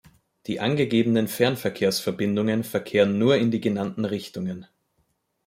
Die angegebenen Fernverkehrsverbindungen verkehren nur in die genannten Richtungen.